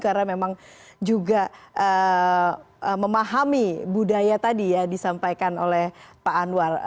karena memang juga memahami budaya tadi ya disampaikan oleh pak anwar